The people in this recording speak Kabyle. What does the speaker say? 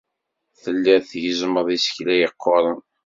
Telliḍ tgezzmeḍ isekla yeqquren.